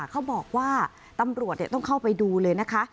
เขาบอกว่าตำรวจต้องเข้าไปดูเลยนะคะ